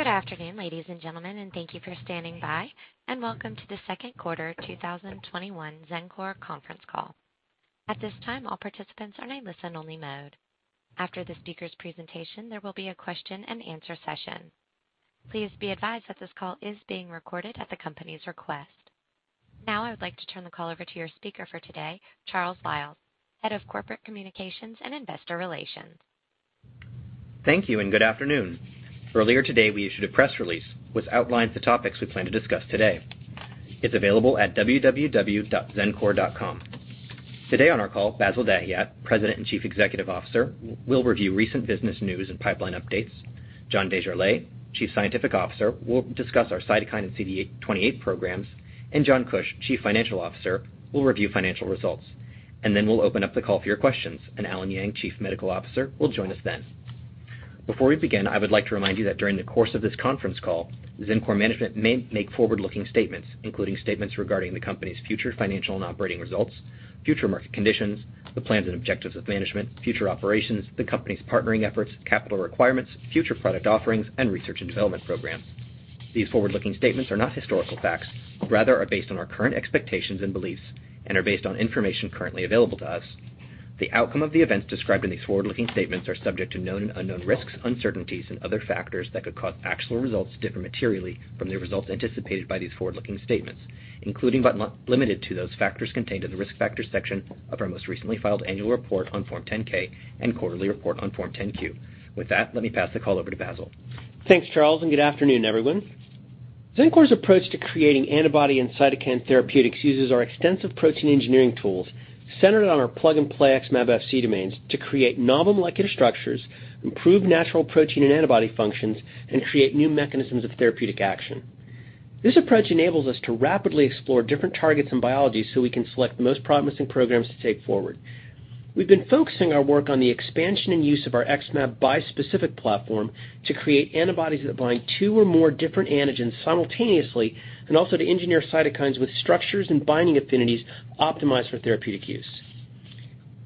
Good afternoon, ladies and gentlemen, and thank you for standing by, and welcome to the Q2 2021 Xencor conference call. At this time, all participants are in listen-only mode. After the speaker's presentation, there will be a question-and-answer session. Please be advised that this call is being recorded at the company's request. Now, I would like to turn the call over to your speaker for today, Charles Liles, Head of Corporate Communications and Investor Relations. Thank you and good afternoon. Earlier today, we issued a press release which outlines the topics we plan to discuss today. It's available at www.xencor.com. Today on our call, Bassil Dahiyat, President and Chief Executive Officer, will review recent business news and pipeline updates. John Desjarlais, Chief Scientific Officer, will discuss our cytokine and CD28 programs. John Kuch, Chief Financial Officer, will review financial results. Then we'll open up the call for your questions. Allen Yang, Chief Medical Officer, will join us then. Before we begin, I would like to remind you that during the course of this conference call, Xencor management may make forward-looking statements, including statements regarding the company's future financial and operating results, future market conditions, the plans and objectives of management, future operations, the company's partnering efforts, capital requirements, future product offerings, and research and development programs. These forward-looking statements are not historical facts, rather are based on our current expectations and beliefs and are based on information currently available to us. The outcome of the events described in these forward-looking statements are subject to known and unknown risks, uncertainties, and, Other factors that could cause actual results to differ materially from the results anticipated by these forward-looking statements, including but not limited to those factors contained in the Risk Factors section of our most recently filed annual report on Form 10-K and quarterly report on Form 10-Q. With that, let me pass the call over to Bassil. Thanks, Charles, and good afternoon, everyone. Xencor's approach to creating antibody and cytokine therapeutics uses our extensive protein engineering tools centered on our plug-and-play XmAb Fc domains to create novel molecular structures, improve natural protein and antibody functions, and create new mechanisms of therapeutic action. This approach enables us to rapidly explore different targets and biologies so we can select the most promising programs to take forward. We've been focusing our work on the expansion and use of our XmAb bispecific platform to create antibodies that bind two or more different antigens simultaneously, and also to engineer cytokines with structures and binding affinities optimized for therapeutic use.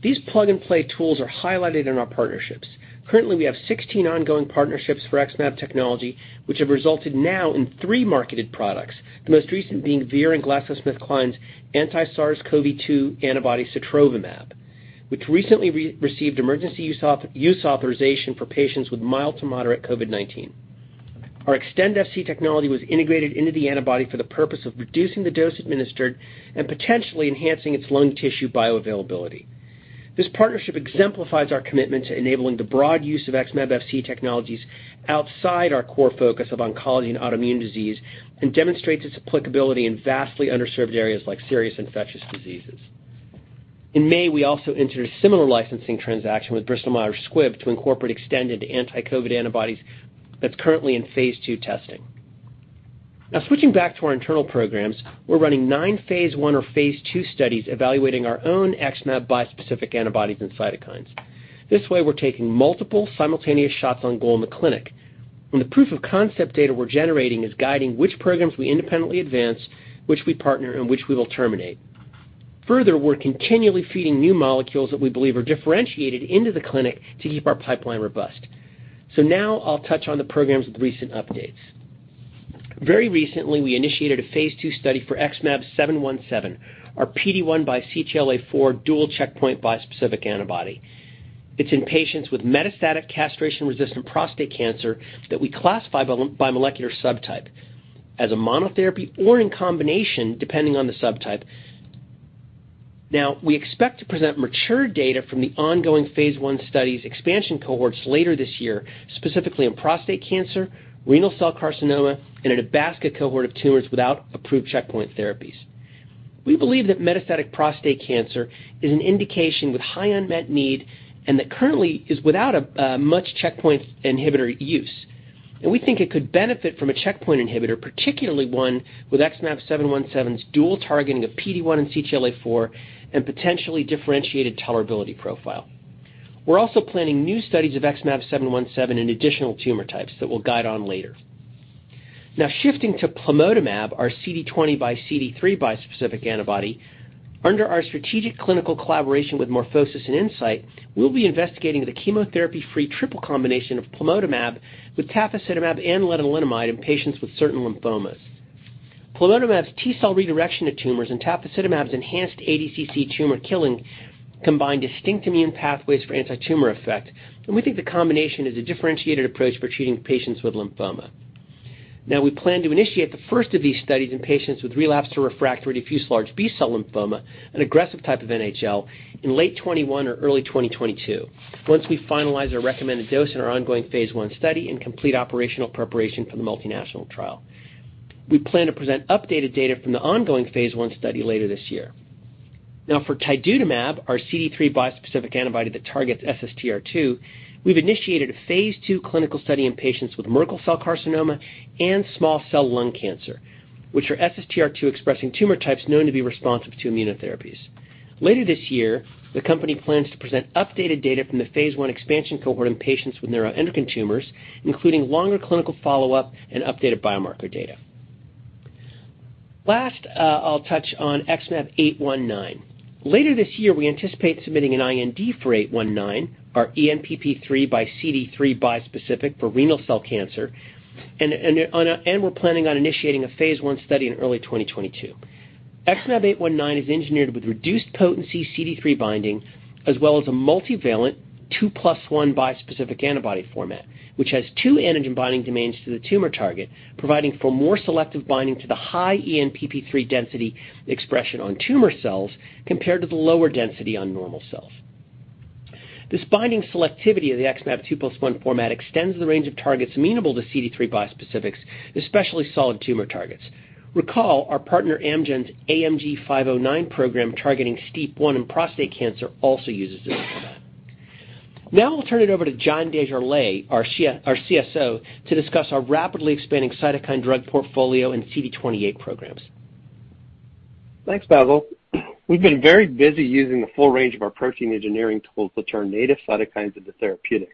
These plug-and-play tools are highlighted in our partnerships. Currently, we have 16 ongoing partnerships for XmAb technology, which have resulted now in three marketed products, the most recent being Vir and GlaxoSmithKline's anti-SARS-CoV-2 antibody sotrovimab, which recently received emergency use authorization for patients with mild to moderate COVID-19. Our extended Fc technology was integrated into the antibody for the purpose of reducing the dose administered and potentially enhancing its lung tissue bioavailability. This partnership exemplifies our commitment to enabling the broad use of XmAb FC technologies outside our core focus of oncology and autoimmune disease and demonstrates its applicability in vastly underserved areas like serious infectious diseases. In May, we also entered a similar licensing transaction with Bristol Myers Squibb to incorporate extended anti-COVID antibodies that's currently in phase II testing. Switching back to our internal programs, we're running nine phase I or phase II studies evaluating our own XmAb bispecific antibodies and cytokines. This way, we're taking multiple simultaneous shots on goal in the clinic, and the proof of concept data we're generating is guiding which programs we independently advance, which we partner, and which we will terminate. Further, we're continually feeding new molecules that we believe are differentiated into the clinic to keep our pipeline robust. Now I'll touch on the programs with recent updates. Very recently, we initiated a phase II study for XmAb717, our PD-1 by CTLA-4 dual checkpoint bispecific antibody. It's in patients with metastatic castration-resistant prostate cancer that we classify by molecular subtype as a monotherapy or in combination, depending on the subtype. We expect to present mature data from the ongoing phase I study's expansion cohorts later this year, specifically in prostate cancer, renal cell carcinoma, and a basket cohort of tumors without approved checkpoint therapies. We believe that metastatic prostate cancer is an indication with high unmet need and that currently is without much checkpoint inhibitor use. We think it could benefit from a checkpoint inhibitor, particularly one with XmAb717's dual targeting of PD-1 and CTLA-4 and potentially differentiated tolerability profile. We're also planning new studies of XmAb717 in additional tumor types that we'll guide on later. Shifting to plamotamab, our CD20 by CD3 bispecific antibody. Under our strategic clinical collaboration with MorphoSys and Incyte, we'll be investigating the chemotherapy-free triple combination of plamotamab with tafasitamab and lenalidomide in patients with certain lymphomas. Plamotamab's T cell redirection to tumors and tafasitamab's enhanced ADCC tumor killing combine distinct immune pathways for antitumor effect, and we think the combination is a differentiated approach for treating patients with lymphoma. We plan to initiate the first of these studies in patients with relapse to refractory diffuse large B-cell lymphoma, an aggressive type of NHL, in late 2021 or early 2022, once we finalize our recommended dose in our ongoing phase I study and complete operational preparation for the multinational trial. We plan to present updated data from the ongoing phase I study later this year. For tidutamab, our CD3 bispecific antibody that targets SSTR2, we've initiated a phase II clinical study in patients with Merkel cell carcinoma and small cell lung cancer, which are SSTR2-expressing tumor types known to be responsive to immunotherapies. Later this year, the company plans to present updated data from the phase I expansion cohort in patients with neuroendocrine tumors, including longer clinical follow-up and updated biomarker data. Last, I'll touch on XmAb819. Later this year, we anticipate submitting an IND for 819, our ENPP3 by CD3 bispecific for renal cell cancer. We're planning on initiating a phase I study in early 2022. XmAb819 is engineered with reduced potency CD3 binding, as well as a multivalent 2+1 bispecific antibody format, which has two antigen binding domains to the tumor target, providing for more selective binding to the high ENPP3 density expression on tumor cells compared to the lower density on normal cells. This binding selectivity of the XmAb 2+1 format extends the range of targets amenable to CD3 bispecifics, especially solid tumor targets. Recall our partner Amgen's AMG 509 program targeting STEAP1 in prostate cancer also uses this format. Now I'll turn it over to John Desjarlais, our CSO, to discuss our rapidly expanding cytokine drug portfolio and CD28 programs. Thanks, Bassil. We've been very busy using the full range of our protein engineering tools to turn native cytokines into therapeutics.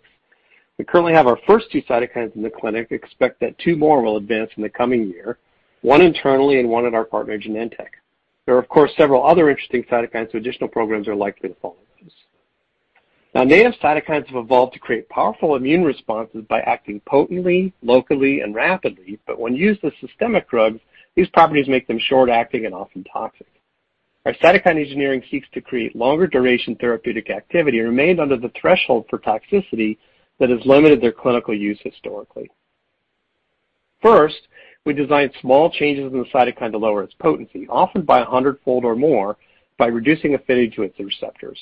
We currently have our first two cytokines in the clinic, expect that two more will advance in the coming year, one internally and one at our partner Genentech. There are, of course, several other interesting cytokines. Additional programs are likely to follow those. Now, native cytokines have evolved to create powerful immune responses by acting potently, locally, and rapidly, but when used as systemic drugs, these properties make them short-acting and often toxic. Our cytokine engineering seeks to create longer duration therapeutic activity and remain under the threshold for toxicity that has limited their clinical use historically. First, we design small changes in the cytokine to lower its potency, often by 100-fold or more, by reducing affinity to its receptors.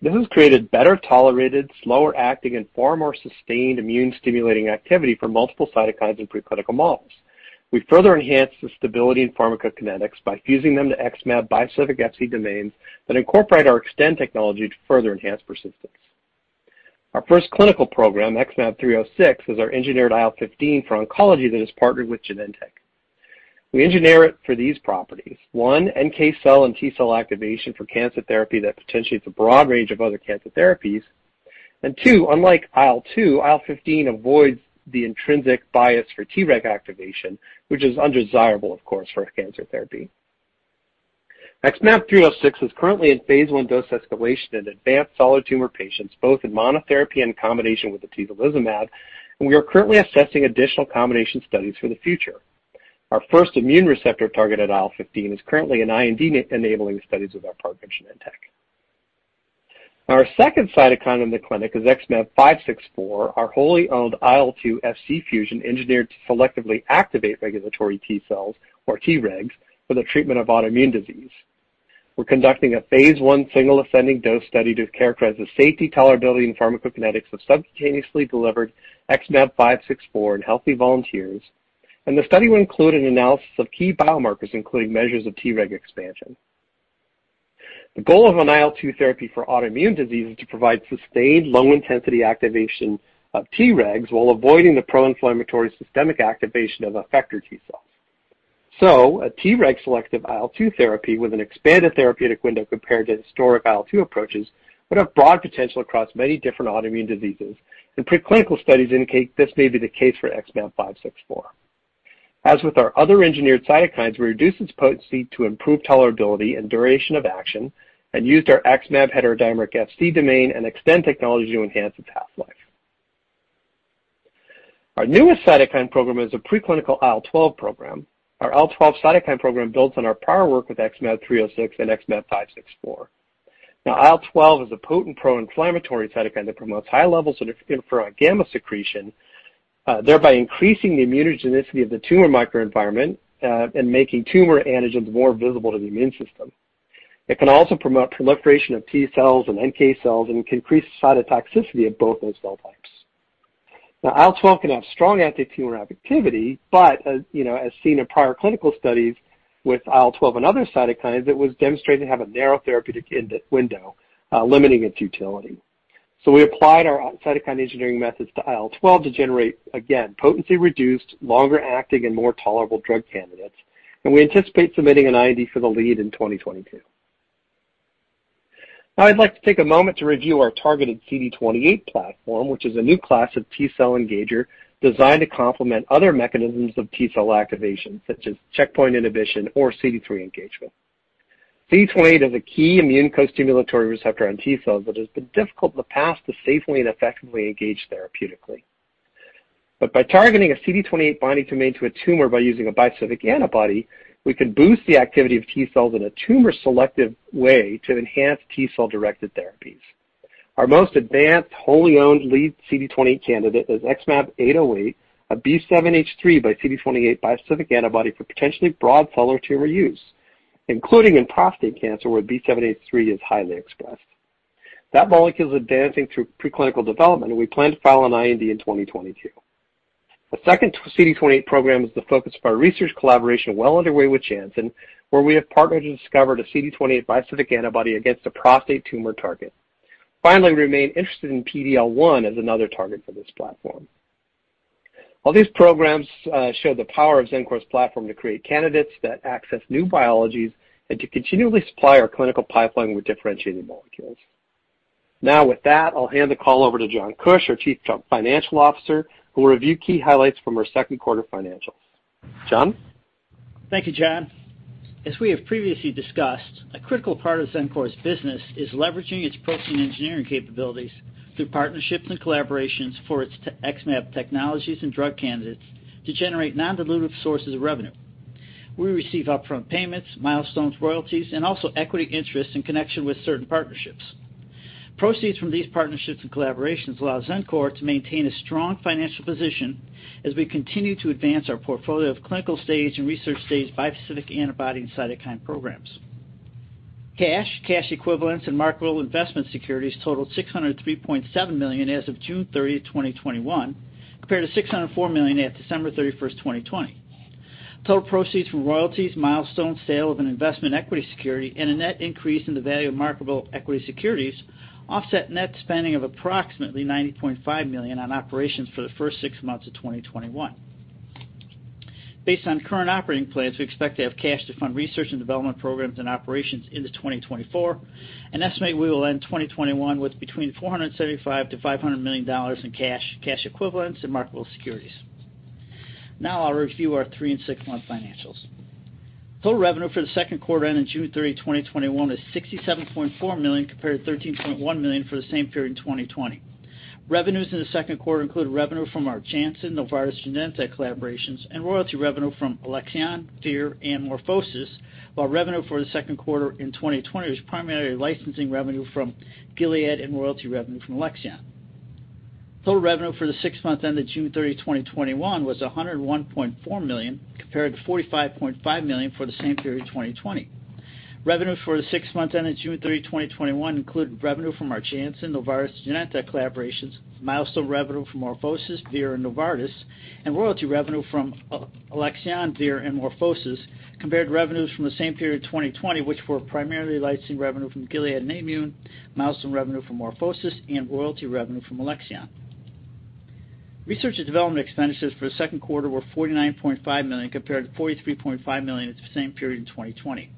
This has created better tolerated, slower acting, and far more sustained immune stimulating activity for multiple cytokines in preclinical models. We further enhance the stability and pharmacokinetics by fusing them to XmAb bispecific Fc domains that incorporate our Xtend technology to further enhance persistence. Our first clinical program, XmAb306, is our engineered IL-15 for oncology that is partnered with Genentech. We engineer it for these properties. one, NK cell and T cell activation for cancer therapy that potentiates a broad range of other cancer therapies. two, unlike IL-2, IL-15 avoids the intrinsic bias for Treg activation, which is undesirable, of course, for a cancer therapy. XmAb306 is currently in phase I dose escalation in advanced solid tumor patients, both in monotherapy and combination with atezolizumab. We are currently assessing additional combination studies for the future. Our first immune receptor targeted IL-15, is currently in IND enabling studies with our partner Genentech. Our second cytokine in the clinic is XmAb564, our wholly owned IL-2 Fc fusion engineered to selectively activate regulatory T cells, or Tregs, for the treatment of autoimmune disease. We're conducting a phase I single ascending dose study to characterize the safety, tolerability, and pharmacokinetics of subcutaneously delivered XmAb564 in healthy volunteers. The study will include an analysis of key biomarkers, including measures of Treg expansion. The goal of an IL-2 therapy for autoimmune disease is to provide sustained low intensity activation of Tregs while avoiding the pro-inflammatory systemic activation of effector T cells. A Tregs selective IL-2 therapy with an expanded therapeutic window compared to historic IL-2 approaches would have broad potential across many different autoimmune diseases, and preclinical studies indicate this may be the case for XmAb564. As with our other engineered cytokines, we reduce its potency to improve tolerability and duration of action and used our XmAb heterodimeric Fc domain and Xtend technology to enhance its half-life. Our newest cytokine program is a preclinical IL-12 program. Our IL-12 cytokine program builds on our prior work with XmAb306 and XmAb564. IL-12 is a potent pro-inflammatory cytokine that promotes high levels of interferon gamma secretion, thereby increasing the immunogenicity of the tumor microenvironment, and making tumor antigens more visible to the immune system. It can also promote proliferation of T cells and NK cells and can increase cytotoxicity of both those cell types. IL-12 can have strong anti-tumor activity, but as seen in prior clinical studies with IL-12 and other cytokines, it was demonstrated to have a narrow therapeutic window, limiting its utility. We applied our cytokine engineering methods to IL-12 to generate, again, potency reduced, longer acting, and more tolerable drug candidates, and we anticipate submitting an IND for the lead in 2022. I'd like to take a moment to review our targeted CD28 platform, which is a new class of T cell engager designed to complement other mechanisms of T cell activation, such as checkpoint inhibition or CD3 engagement. CD28 is a key immune costimulatory receptor on T cells that has been difficult in the past to safely and effectively engage therapeutically. By targeting a CD28 binding domain to a tumor by using a bispecific antibody, we can boost the activity of T cells in a tumor-selective way to enhance T cell-directed therapies. Our most advanced wholly owned lead CD28 candidate is XmAb808, a B7-H3 by CD28 bispecific antibody for potentially broad solid tumor use, including in prostate cancer, where B7-H3 is highly expressed. That molecule is advancing through preclinical development, and we plan to file an IND in 2022. A second CD28 program is the focus of our research collaboration well underway with Janssen, where we have partnered to discover a CD28 bispecific antibody against a prostate tumor target. Finally, we remain interested in PD-L1 as another target for this platform. All these programs show the power of Xencor's platform to create candidates that access new biologies and to continually supply our clinical pipeline with differentiating molecules. Now with that, I'll hand the call over to John Kuch, our Chief Financial Officer, who will review key highlights from our Q2 financials. John? Thank you, John. As we have previously discussed, a critical part of Xencor's business is leveraging its protein engineering capabilities through partnerships and collaborations for its XmAb technologies and drug candidates to generate non-dilutive sources of revenue. We receive upfront payments, milestones, royalties, and also equity interests in connection with certain partnerships. Proceeds from these partnerships and collaborations allow Xencor to maintain a strong financial position as we continue to advance our portfolio of clinical stage and research stage bispecific antibody and cytokine programs. Cash, cash equivalents, and marketable investment securities totaled $603.7 million as of June 30, 2021, compared to $604 million at December 31, 2020. Total proceeds from royalties, milestones, sale of an investment equity security, and a net increase in the value of marketable equity securities offset net spending of approximately $90.5 million on operations for the first six months of 2021. Based on current operating plans, we expect to have cash to fund research and development programs and operations into 2024 and estimate we will end 2021 with between $475 million to $500 million in cash equivalents, and marketable securities. I'll review our three- and six-month financials. Total revenue for the Q2 ending June 30, 2021, is $67.4 million, compared to $13.1 million for the same period in 2020. Revenues in the Q2 include revenue from our Janssen, Novartis, Genentech collaborations and royalty revenue from Alexion, Vir, and MorphoSys. Revenue for the Q2 in 2020 was primarily licensing revenue from Gilead and royalty revenue from Alexion. Total revenue for the six months ended June 30th, 2021, was $101.4 million, compared to $45.5 million for the same period in 2020. Revenue for the six months ended June 30th, 2021, included revenue from our Janssen, Novartis, Genentech collaborations, milestone revenue from MorphoSys, Vir, and Novartis, and royalty revenue from Alexion, Vir, and MorphoSys, compared to revenues from the same period in 2020, which were primarily licensing revenue from Gilead, ImmunoGen, milestone revenue from MorphoSys, and royalty revenue from Alexion. Research and development expenditures for the Q2 were $49.5 million, compared to $43.5 million at the same period in 2020.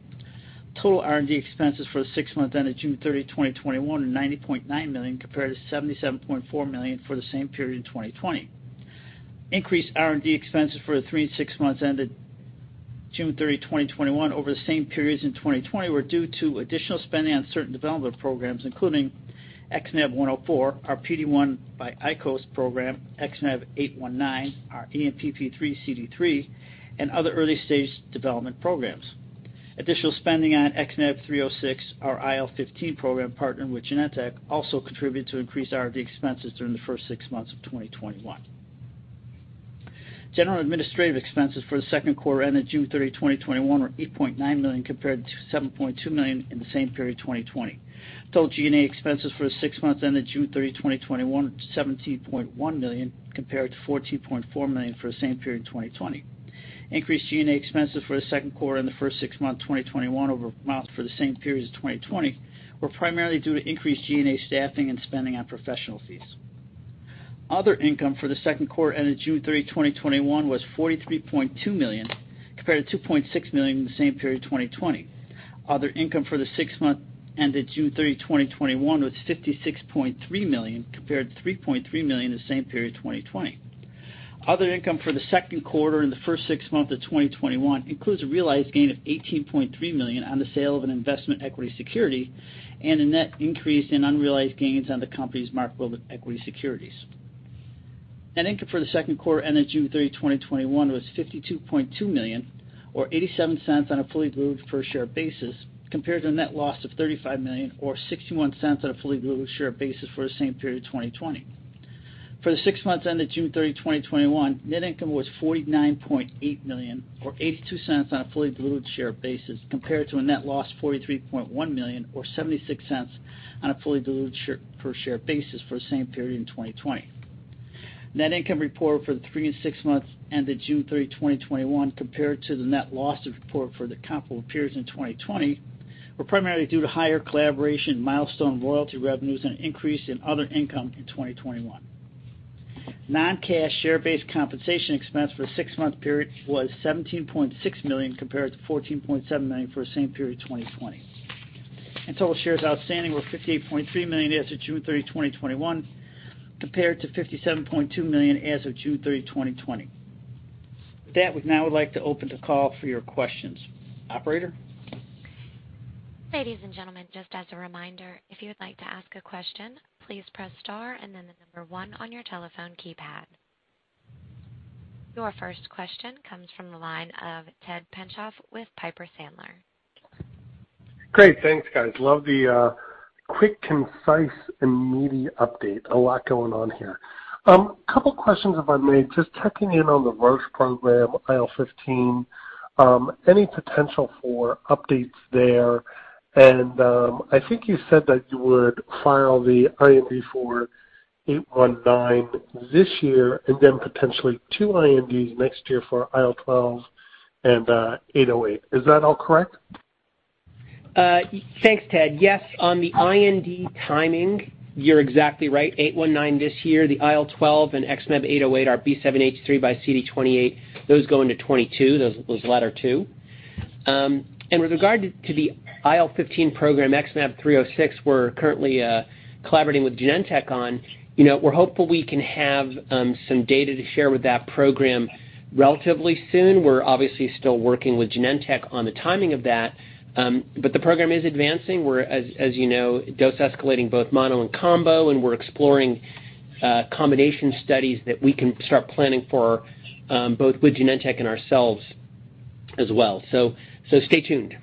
Total R&D expenses for the six months ended June 30th, 2021, are $90.9 million, compared to $77.4 million for the same period in 2020. Increased R&D expenses for the three and six months ended June 30th, 2021, over the same periods in 2020 were due to additional spending on certain development programs, including XmAb104, our PD-1 by ICOS program, XmAb819, our ENPP3-CD3, and other early-stage development programs. Additional spending on XmAb306, our IL-15 program partnered with Genentech, also contributed to increased R&D expenses during the first six months of 2021. General administrative expenses for the Q2 ended June 30th, 2021, were $8.9 million, compared to $7.2 million in the same period in 2020. Total G&A expenses for the six months ended June 30, 2021, were $17.1 million, compared to $14.4 million for the same period in 2020. Increased G&A expenses for the Q2 and the first six months 2021 over amounts for the same periods of 2020 were primarily due to increased G&A staffing and spending on professional fees. Other income for the Q2 ended June 30TH, 2021, was $43.2 million, compared to $2.6 million in the same period in 2020. Other income for the six months ended June 30th, 2021, was $56.3 million, compared to $3.3 million in the same period in 2020. Other income for the Q2 and the first six months of 2021 includes a realized gain of $18.3 million on the sale of an investment equity security and a net increase in unrealized gains on the company's marketable equity securities. Net income for the Q2 ended June 30th, 2021, was $52.2 million or $0.87 on a fully diluted per share basis, compared to a net loss of $35 million or $0.61 on a fully diluted share basis for the same period in 2020. For the six months ended June 30th, 2021, net income was $49.8 million or $0.82 on a fully diluted share basis, compared to a net loss $43.1 million or $0.76 on a fully diluted per share basis for the same period in 2020. Net income reported for the three and six months ended June 30th, 2021, compared to the net loss report for the comparable periods in 2020 were primarily due to higher collaboration milestone royalty revenues and an increase in other income in 2021. Non-cash share-based compensation expense for the six-month period was $17.6 million, compared to $14.7 million for the same period in 2020. Total shares outstanding were $58.3 million as of June 30th, 2021, compared to $57.2 million as of June 30th, 2020. With that, we now would like to open the call for your questions. Operator? Ladies and gentlemen, just as a reminder, if you would like to ask a question, please press star and then one on your telephone keypad. Your first question comes from the line of Edward Tenthoff with Piper Sandler. Great. Thanks, guys. Love the quick, concise, and meaty update. A lot going on here. two questions, if I may. Just checking in on the Roche program, IL-15. Any potential for updates there? I think you said that you would file the IND for 819 this year and then potentially 2 INDs next year for IL-12 and 808. Is that all correct? Thanks, Tenthoff. Yes, on the IND timing, you're exactly right. XmAb819 this year, the IL-12 and XmAb808, our B7-H3 by CD28, those go into 2022, those latter two. With regard to the IL-15 program XmAb306, we're currently collaborating with Genentech on. We're hopeful we can have some data to share with that program relatively soon. We're obviously still working with Genentech on the timing of that. The program is advancing. We're, as you know, dose escalating both mono and combo, and we're exploring combination studies that we can start planning for, both with Genentech and ourselves as well. Stay tuned.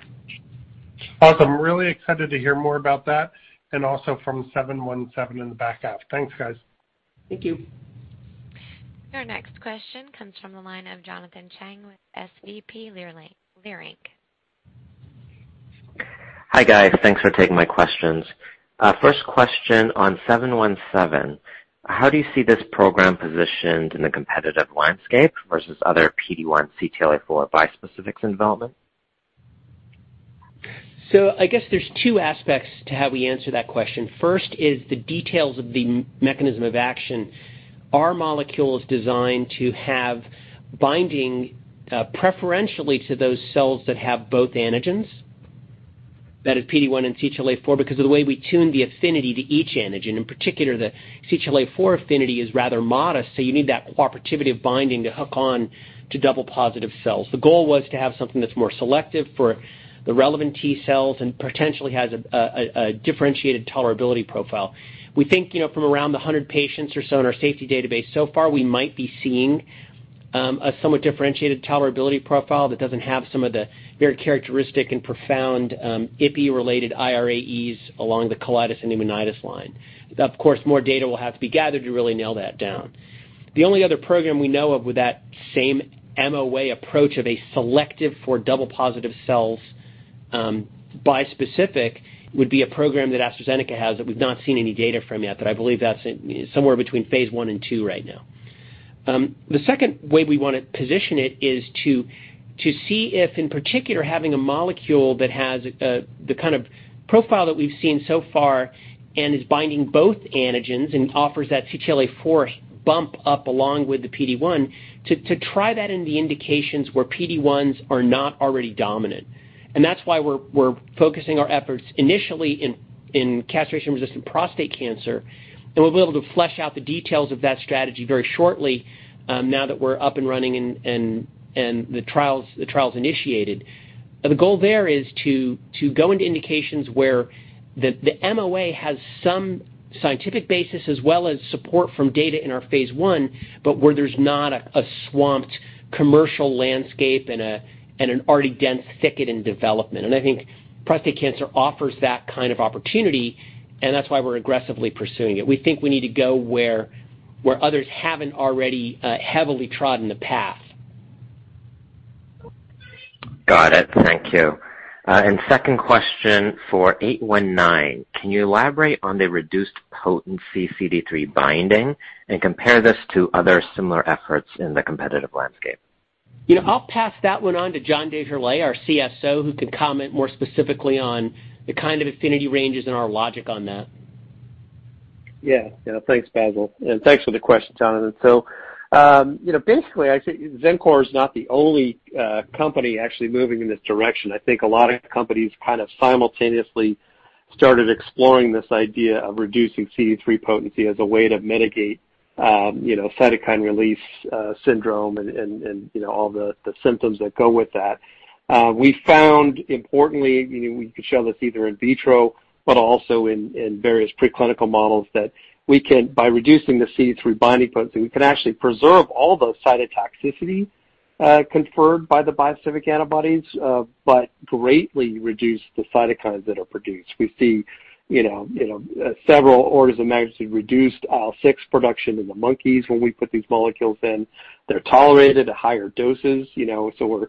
Awesome. Really excited to hear more about that and also from XmAb717 in the back half. Thanks, guys. Thank you. Your next question comes from the line of Jonathan Chang with SVB Leerink. Hi, guys. Thanks for taking my questions. First question on 717, how do you see this program positioned in the competitive landscape versus other PD-1/CTLA-4 bispecifics in development? I guess there's two aspects to how we answer that question. First is the details of the mechanism of action. Our molecule is designed to have binding preferentially to those cells that have both antigens, that is PD-1 and CTLA-4, because of the way we tune the affinity to each antigen. In particular, the CTLA-4 affinity is rather modest, you need that cooperativity of binding to hook on to double positive cells. The goal was to have something that's more selective for the relevant T cells and potentially has a differentiated tolerability profile. We think from around 100 patients or so in our safety database so far, we might be seeing a somewhat differentiated tolerability profile that doesn't have some of the very characteristic and profound ipi-related irAEs along the colitis and pneumonitis line. Of course, more data will have to be gathered to really nail that down. The only other program we know of with that same MOA approach of a selective for double positive cells bispecific would be a program that AstraZeneca has that we've not seen any data from yet, but I believe that's somewhere between phase I and II right now. The second way we want to position it is to see if, in particular, having a molecule that has the kind of profile that we've seen so far and is binding both antigens and offers that CTLA-4 bump up along with the PD-1, to try that in the indications where PD-1s are not already dominant. That's why we're focusing our efforts initially in castration-resistant prostate cancer, and we'll be able to flesh out the details of that strategy very shortly now that we're up and running and the trial's initiated. The goal there is to go into indications where the MOA has some scientific basis as well as support from data in our phase I, but where there's not a swamped commercial landscape and an already dense thicket in development. I think prostate cancer offers that kind of opportunity, and that's why we're aggressively pursuing it. We think we need to go where others haven't already heavily trodden the path. Got it. Thank you. Second question for XmAb819, can you elaborate on the reduced potency CD3 binding and compare this to other similar efforts in the competitive landscape? I'll pass that one on to John Desjarlais, our CSO, who can comment more specifically on the kind of affinity ranges and our logic on that. Yeah. Thanks, Bassil, and thanks for the question, Jonathan. Basically, I'd say Xencor is not the only company actually moving in this direction. I think a lot of companies kind of simultaneously started exploring this idea of reducing CD3 potency as a way to mitigate cytokine release syndrome and all the symptoms that go with that. We found, importantly, we can show this either in vitro but also in various preclinical models, that by reducing the CD3 binding potency, we can actually preserve all the cytotoxicity conferred by the bispecific antibodies but greatly reduce the cytokines that are produced. We see several orders of magnitude reduced IL-6 production in the monkeys when we put these molecules in. They're tolerated at higher doses, so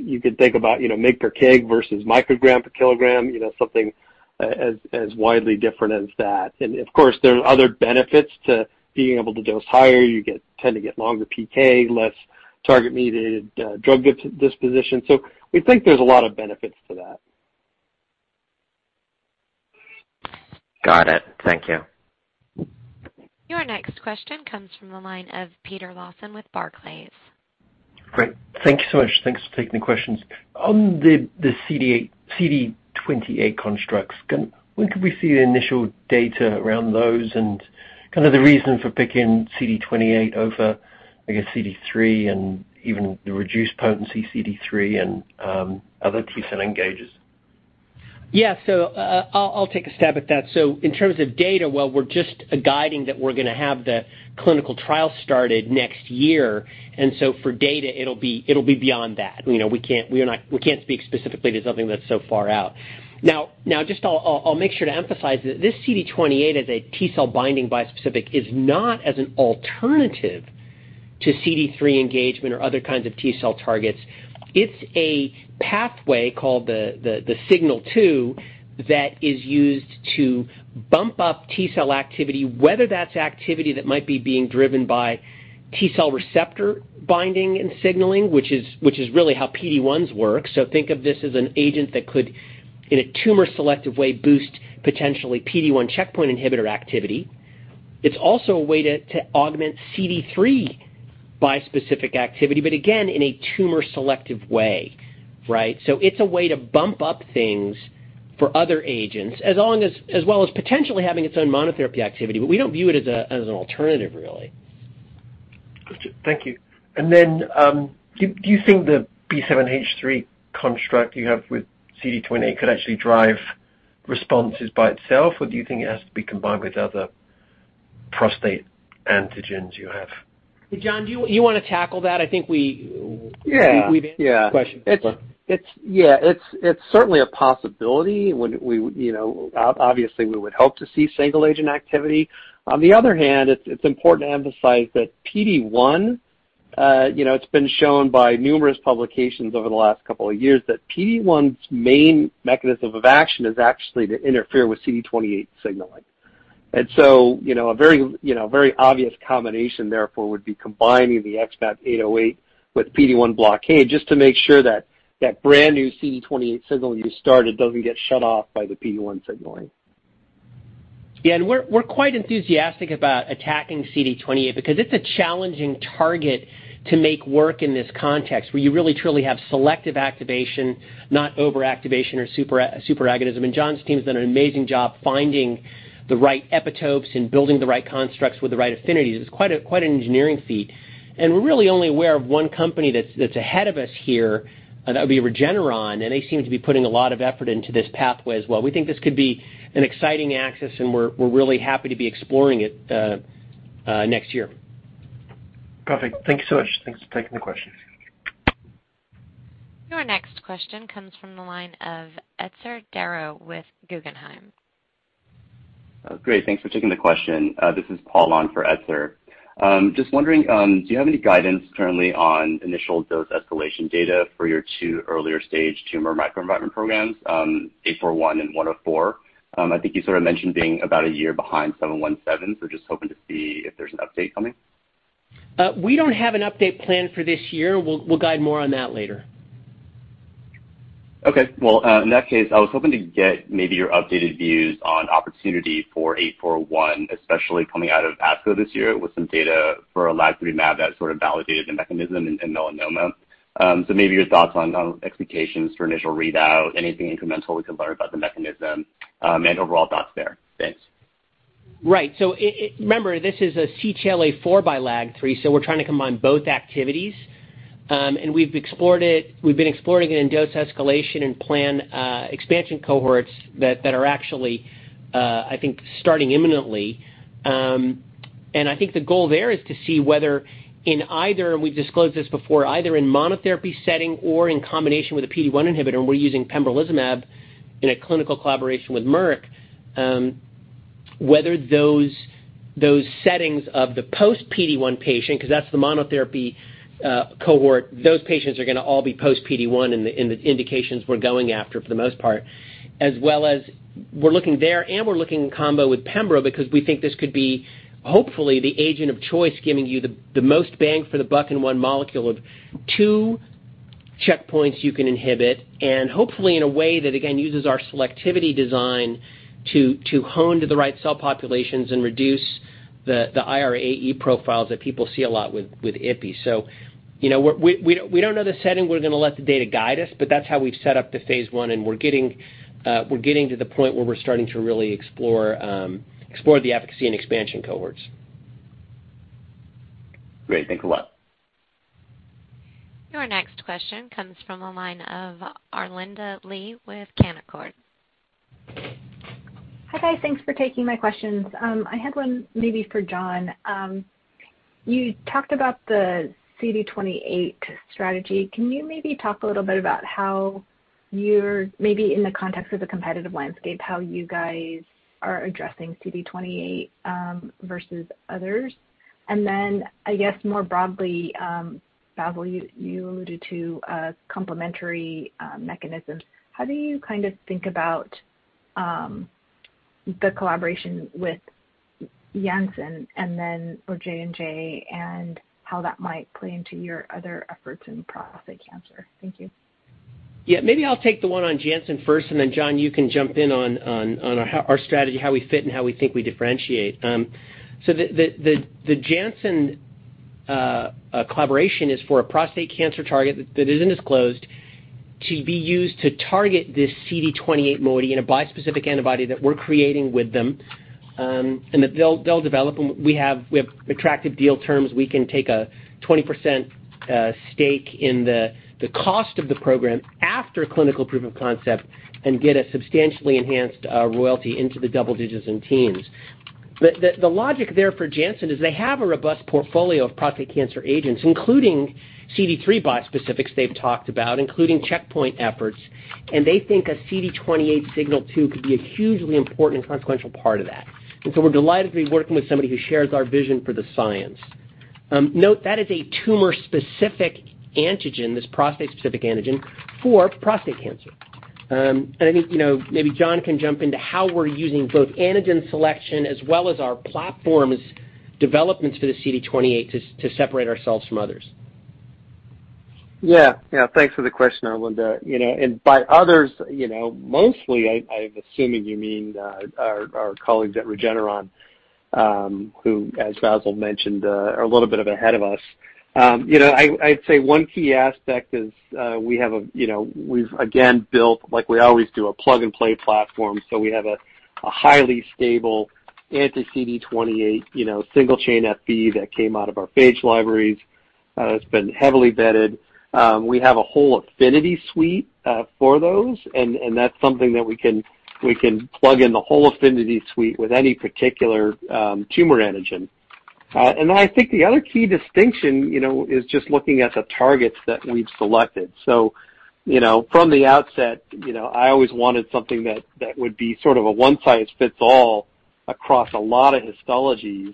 you could think about mg per kg versus microgram per kilogram, something as widely different as that. Of course, there are other benefits to being able to dose higher. You tend to get longer PK, less target-mediated drug disposition. We think there's a lot of benefits to that. Got it. Thank you. Your next question comes from the line of Peter Lawson with Barclays. Great. Thank you so much. Thanks for taking the questions. On the CD28 constructs, when could we see the initial data around those and kind of the reason for picking CD28 over, I guess CD3 and even the reduced potency CD3 and other T-cell engagers? Yeah. I'll take a stab at that. In terms of data, well, we're just guiding that we're going to have the clinical trial started next year, for data, it'll be beyond that. We can't speak specifically to something that's so far out. Just I'll make sure to emphasize that this CD28 as a T-cell binding bispecific is not as an alternative to CD3 engagement or other kinds of T-cell targets. It's a pathway called the Signal 2 that is used to bump up T-cell activity, whether that's activity that might be being driven by T-cell receptor binding and signaling, which is really how PD-1s work. Think of this as an agent that could, in a tumor-selective way, boost potentially PD-1 checkpoint inhibitor activity. It's also a way to augment CD3 bispecific activity, but again, in a tumor-selective way. It's a way to bump up things for other agents, as well as potentially having its own monotherapy activity. We don't view it as an alternative, really. Got you. Thank you. Do you think the B7-H3 construct you have with CD28 could actually drive responses by itself, or do you think it has to be combined with other prostate antigens you have? Hey, John, do you want to tackle that? Yeah answered the question. Yeah. It's certainly a possibility. Obviously, we would hope to see single agent activity. On the other hand, it's important to emphasize that PD-1, it's been shown by numerous publications over the last couple of years that PD-1's main mechanism of action is actually to interfere with CD28 signaling. A very obvious combination therefore would be combining the XmAb808 with PD-1 blockade, just to make sure that that brand new CD28 signaling you started doesn't get shut off by the PD-1 signaling. Yeah, we're quite enthusiastic about attacking CD28 because it's a challenging target to make work in this context, where you really truly have selective activation, not overactivation or superagonism. John's team has done an amazing job finding the right epitopes and building the right constructs with the right affinities. It's quite an engineering feat. We're really only aware of one company that's ahead of us here, and that would be Regeneron, and they seem to be putting a lot of effort into this pathway as well. We think this could be an exciting axis, and we're really happy to be exploring it next year. Perfect. Thank you so much. Thanks for taking the question. Your next question comes from the line of Yatin Suneja with Guggenheim. Great. Thanks for taking the question. This is Paul Jeng on for Yatin Suneja. Just wondering, do you have any guidance currently on initial dose escalation data for your two earlier stage tumor microenvironment programs, XmAb841 and XmAb104? I think you sort of mentioned being about a year behind 717, so just hoping to see if there's an update coming. We don't have an update planned for this year. We'll guide more on that later. Okay. Well, in that case, I was hoping to get maybe your updated views on opportunity for XmAb841, especially coming out of ASCO this year with some data for omalizumab that sort of validated the mechanism in melanoma. Maybe your thoughts on expectations for initial readout, anything incremental we can learn about the mechanism, and overall thoughts there. Thanks. Right. Remember, this is a CTLA-4 by LAG-3, so we're trying to combine both activities. We've been exploring it in dose escalation and plan expansion cohorts that are actually I think starting imminently. I think the goal there is to see whether in either, we've disclosed this before, either in monotherapy setting or in combination with a PD-1 inhibitor, and we're using pembrolizumab in a clinical collaboration with Merck, whether those settings of the post PD-1 patient, because that's the monotherapy cohort, those patients are going to all be post PD-1 in the indications we're going after for the most part, As well as we're looking there and we're looking in combo with pembro because we think this could be hopefully the agent of choice giving you the most bang for the buck in one molecule of two checkpoints you can inhibit, and hopefully in a way that, again, uses our selectivity design to hone to the right cell populations and reduce the irAE profiles that people see a lot with ipilimumab. We don't know the setting. We're going to let the data guide us, but that's how we've set up the phase I, and we're getting to the point where we're starting to really explore the efficacy in expansion cohorts. Great. Thanks a lot. Your next question comes from the line of Arlinda Lee with Canaccord Genuity. Hi, guys. Thanks for taking my questions. I had one maybe for John. You talked about the CD28 strategy. Can you maybe talk a little bit about in the context of the competitive landscape, how you guys are addressing CD28 versus others? I guess more broadly, Bassil Dahiyat, you alluded to complementary mechanisms. How do you think about the collaboration with Janssen or J&J, and how that might play into your other efforts in prostate cancer? Thank you. Yeah, maybe I'll take the one on Janssen first, and then John, you can jump in on our strategy, how we fit and how we think we differentiate. The Janssen collaboration is for a prostate cancer target that is undisclosed to be used to target this CD28 moiety in a bispecific antibody that we're creating with them, and that they'll develop, and we have attractive deal terms. We can take a 20% stake in the cost of the program after clinical proof of concept and get a substantially enhanced royalty into the double digits and teens. The logic there for Janssen is they have a robust portfolio of prostate cancer agents, including CD3 bispecifics they've talked about, including checkpoint efforts, and they think a CD28 signal too could be a hugely important and consequential part of that. We're delighted to be working with somebody who shares our vision for the science. Note, that is a tumor-specific antigen, this prostate-specific antigen, for prostate cancer. I think maybe John can jump into how we're using both antigen selection as well as our platform's developments for the CD28 to separate ourselves from others. Thanks for the question, Arlinda. By others, mostly I'm assuming you mean our colleagues at Regeneron, who, as Bassil mentioned, are a little bit ahead of us. I'd say 1 key aspect is we've again built, like we always do, a plug-and-play platform. We have a highly stable anti-CD28 single-chain Fv that came out of our phage libraries. It's been heavily vetted. We have a whole affinity suite for those, and that's something that we can plug in the whole affinity suite with any particular tumor antigen. I think the other key distinction is just looking at the targets that we've selected. From the outset, I always wanted something that would be sort of a one-size-fits-all across a lot of histologies,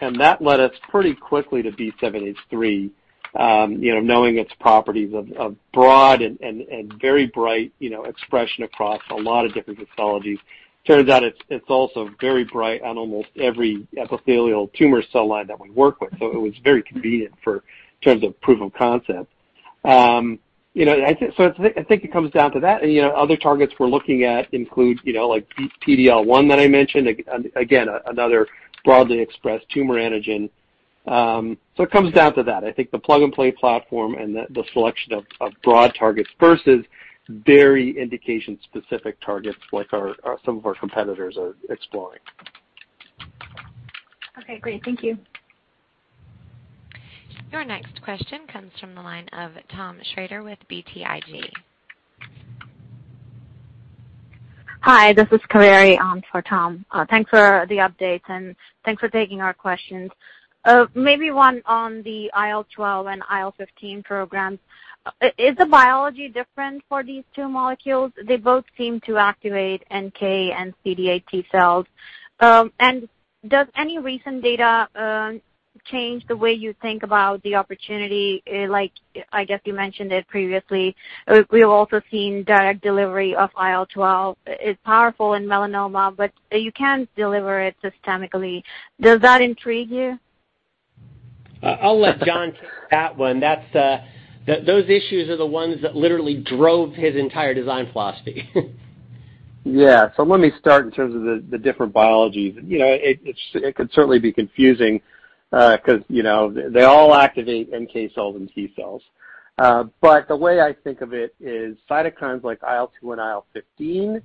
and that led us pretty quickly to B7-H3, knowing its properties of broad and very bright expression across a lot of different histologies. Turns out it's also very bright on almost every epithelial tumor cell line that we work with, so it was very convenient in terms of proof of concept. I think it comes down to that, and other targets we're looking at include PD-L1 that I mentioned, again, another broadly expressed tumor antigen. It comes down to that. I think the plug-and-play platform and the selection of broad targets versus very indication-specific targets like some of our competitors are exploring. Okay, great. Thank you. Your next question comes from the line of Thomas Shrader with BTIG. Hi, this is Kaveri for Thomas. Thanks for the update and thanks for taking our questions. Maybe one on the IL-12 and IL-15 programs. Is the biology different for these two molecules? They both seem to activate NK and CD8 T cells. Does any recent data change the way you think about the opportunity? I guess you mentioned it previously. We've also seen direct delivery of IL-12 is powerful in melanoma, you can't deliver it systemically. Does that intrigue you? I'll let John take that one. Those issues are the ones that literally drove his entire design philosophy. Let me start in terms of the different biologies. It could certainly be confusing, because they all activate NK cells and T cells. The way I think of it is cytokines like IL-2 and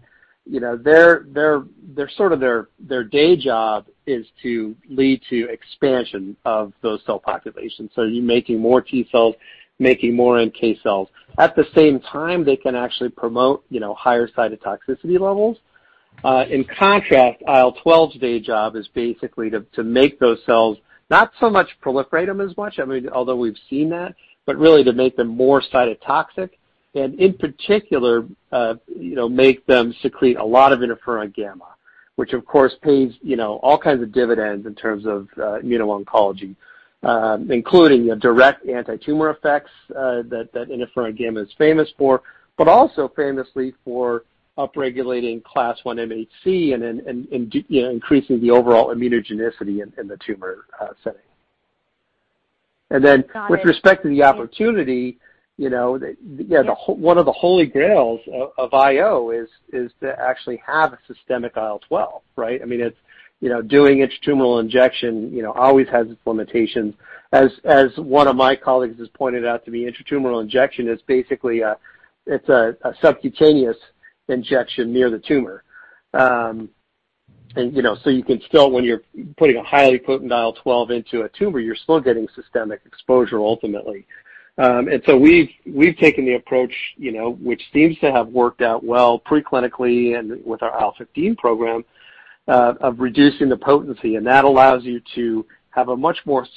IL-15, their day job is to lead to expansion of those cell populations. You're making more T cells, making more NK cells. At the same time, they can actually promote higher cytotoxicity levels. In contrast, IL-12's day job is basically to make those cells not so much proliferate them as much, although we've seen that, but really to make them more cytotoxic and, in particular, make them secrete a lot of interferon gamma, which, of course, pays all kinds of dividends in terms of immuno-oncology, including direct anti-tumor effects that interferon gamma is famous for, but also famously for upregulating class one MHC and increasing the overall immunogenicity in the tumor setting. Got it. With respect to the opportunity, one of the holy grails of IO is to actually have a systemic IL-12, right? Doing intratumoral injection always has its limitations. As one of my colleagues has pointed out to me, intratumoral injection is basically a subcutaneous injection near the tumor. You can still, when you're putting a highly potent IL-12 into a tumor, you're still getting systemic exposure ultimately. We've taken the approach, which seems to have worked out well pre-clinically and with our IL-15 program, of reducing the potency, and that allows you to have a much more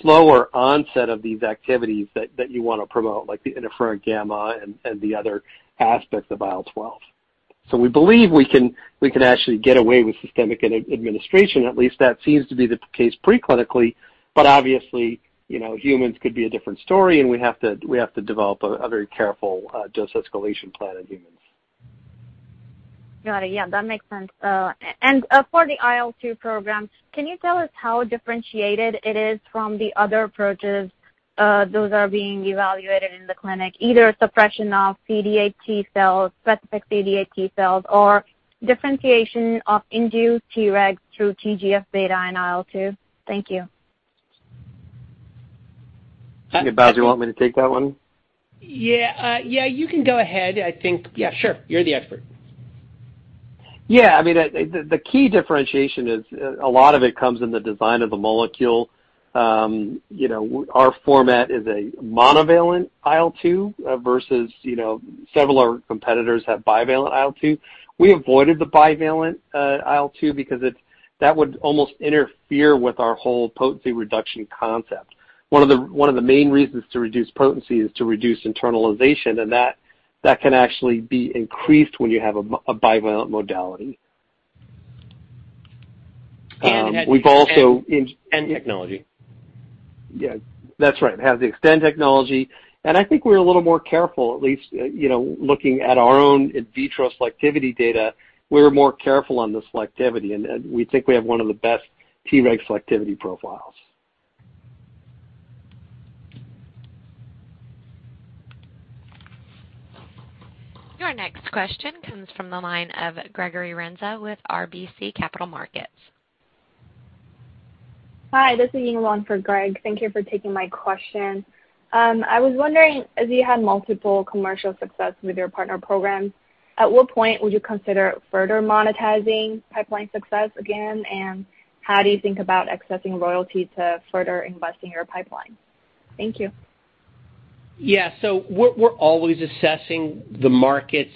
slower onset of these activities that you want to promote, like the interferon gamma and the other aspects of IL-12. We believe we can actually get away with systemic administration. At least that seems to be the case pre-clinically, but obviously, humans could be a different story, and we have to develop a very careful dose escalation plan in humans. Got it. Yeah, that makes sense. For the IL-2 program, can you tell us how differentiated it is from the other approaches those are being evaluated in the clinic, either suppression of CD8 T cells, specific CD8 T cells, or differentiation of induced Treg through TGF-beta and IL-2? Thank you. Bassil, do you want me to take that one? Yeah. You can go ahead, I think. Yeah, sure. You're the expert. Yeah. The key differentiation is a lot of it comes in the design of the molecule. Our format is a monovalent IL-2 versus several competitors have bivalent IL-2. We avoided the bivalent IL-2 because that would almost interfere with our whole potency reduction concept. One of the main reasons to reduce potency is to reduce internalization, and that can actually be increased when you have a bivalent modality. Xtend technology. Yeah. That's right. It has the Xtend technology, and I think we're a little more careful, at least, looking at our own in vitro selectivity data. We're more careful on the selectivity, and we think we have one of the best. Tregs selectivity profiles. Your next question comes from the line of Gregory Renza with RBC Capital Markets. Hi, this is Ying Wang for Gregory. Thank you for taking my question. I was wondering, as you had multiple commercial success with your partner programs, at what point would you consider further monetizing pipeline success again? How do you think about accessing royalty to further investing your pipeline? Thank you. Yeah. We're always assessing the markets,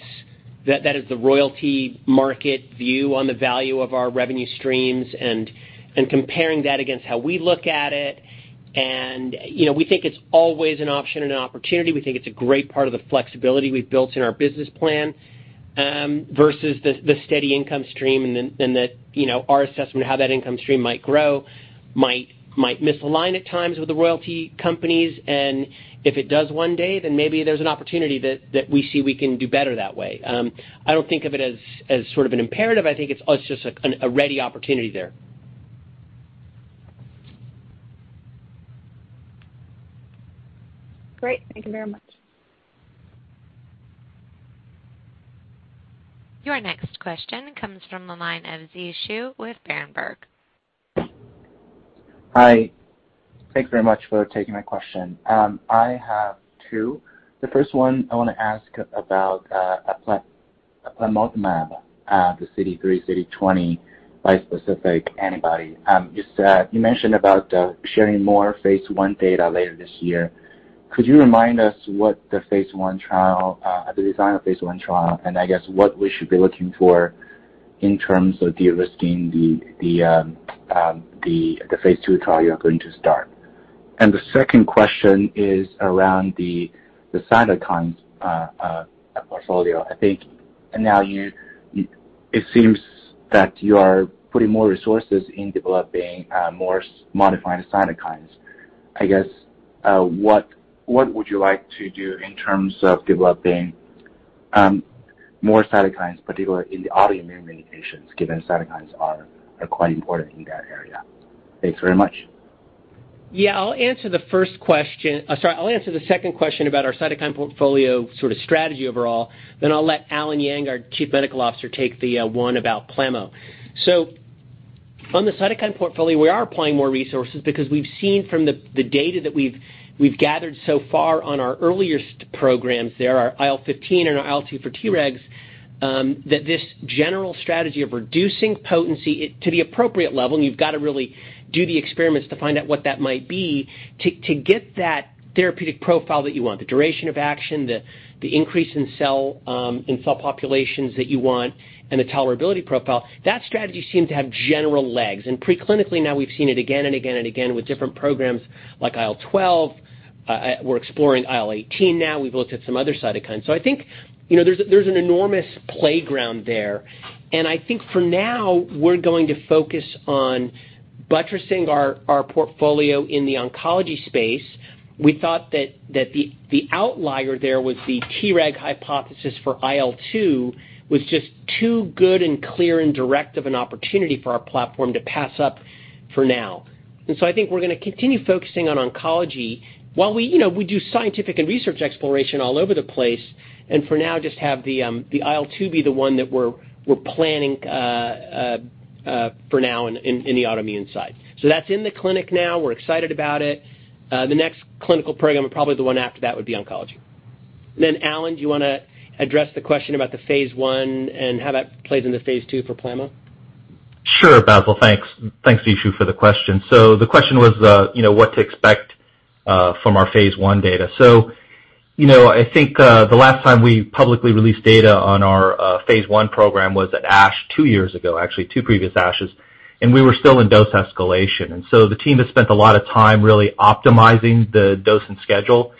that is the royalty market view on the value of our revenue streams and comparing that against how we look at it. We think it's always an option and an opportunity. We think it's a great part of the flexibility we've built in our business plan, versus the steady income stream and then our assessment of how that income stream might grow, might misalign at times with the royalty companies. If it does one day, maybe there's an opportunity that we see we can do better that way. I don't think of it as sort of an imperative. I think it's just a ready opportunity there. Great. Thank you very much. Your next question comes from the line of Zhiqiang Shu with Berenberg. Hi. Thank you very much for taking my question. I have two. The first one I want to ask about plamotamab, the CD3/CD20 bispecific antibody. You mentioned about sharing more phase I data later this year. Could you remind us what the design of phase I trial, and I guess what we should be looking for in terms of de-risking the phase II trial you're going to start? The second question is around the cytokine portfolio. I think now it seems that you are putting more resources in developing more modifying cytokines. I guess, what would you like to do in terms of developing more cytokines, particularly in the autoimmune indications, given cytokines are quite important in that area? Thanks very much. Yeah. I'll answer the second question about our cytokine portfolio sort of strategy overall. I'll let Allen Yang, our Chief Medical Officer, take the one about plamotamab. On the cytokine portfolio, we are applying more resources because we've seen from the data that we've gathered so far on our earliest programs there, Our IL-15 and our IL-2 for Tregs, that this general strategy of reducing potency to the appropriate level, and you've got to really do the experiments to find out what that might be to get that therapeutic profile that you want, the duration of action, the increase in cell populations that you want, and the tolerability profile. That strategy seemed to have general legs. Pre-clinically now we've seen it again and again and again with different programs like IL-12. We're exploring IL-18 now. We've looked at some other cytokines. I think there's an enormous playground there, and I think for now, we're going to focus on buttressing our portfolio in the oncology space. We thought that the outlier there was the Treg hypothesis for IL-2 was just too good and clear and direct of an opportunity for our platform to pass up for now. I think we're going to continue focusing on oncology while we do scientific and research exploration all over the place, and for now just have the IL-2 be the one that we're planning for now in the autoimmune side. That's in the clinic now. We're excited about it. The next clinical program, and probably the one after that would be oncology. Allen, do you want to address the question about the phase I and how that plays into phase II for plamotamab? Sure, Bassil. Thanks. Thanks, Zhiqiang Shu for the question. The question was what to expect from our phase I data. I think the last time we publicly released data on our phase I program was at ASH 2 years ago, actually two previous ASHs, and we were still in dose escalation. The team has spent a lot of time really optimizing the dose and schedule.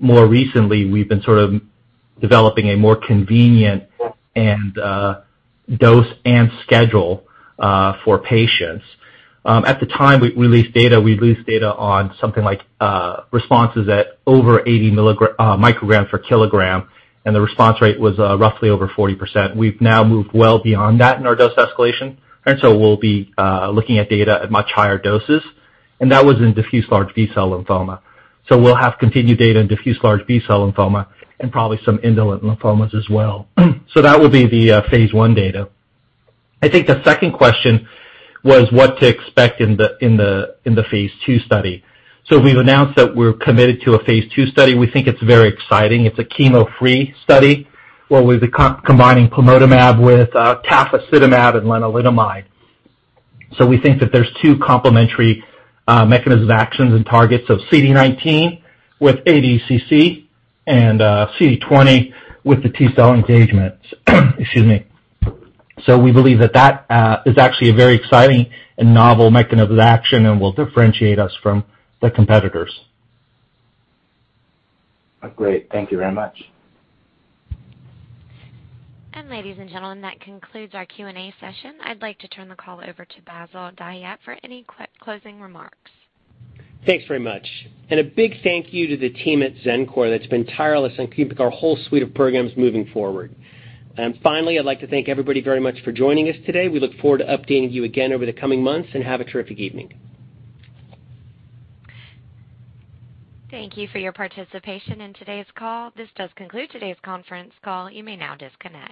More recently, we've been sort of developing a more convenient dose and schedule for patients. At the time we released data, we released data on something like responses at over 80 micrograms per kilogram, and the response rate was roughly over 40%. We've now moved well beyond that in our dose escalation, we'll be looking at data at much higher doses, and that was in diffuse large B-cell lymphoma. We'll have continued data in diffuse large B-cell lymphoma and probably some indolent lymphomas as well. That will be the phase I data. I think the second question was what to expect in the phase II study. We've announced that we're committed to a phase II study. We think it's very exciting. It's a chemo-free study where we'll be combining plamotamab with tafasitamab and lenalidomide. We think that there's two complementary mechanism of actions and targets of CD19 with ADCC and CD20 with the T-cell engagement. Excuse me. We believe that is actually a very exciting and novel mechanism of action and will differentiate us from the competitors. Great. Thank you very much. Ladies and gentlemen, that concludes our Q&A session. I'd like to turn the call over to Bassil Dahiyat for any quick closing remarks. Thanks very much. A big thank you to the team at Xencor that's been tireless in keeping our whole suite of programs moving forward. Finally, I'd like to thank everybody very much for joining us today. We look forward to updating you again over the coming months, and have a terrific evening. Thank you for your participation in today's call. This does conclude today's conference call. You may now disconnect.